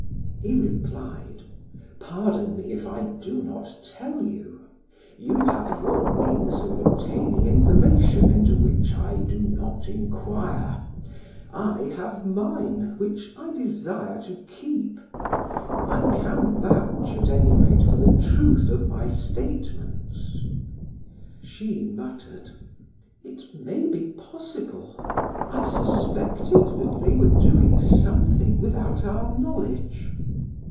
He replied: "Pardon me if I do not tell you! You have your means of obtaining information into which I do not inquire; I have mine which I desire to keep. I can vouch at any rate for the truth of my statements." She muttered: "It may be possible. I suspected that they were doing something without our knowledge."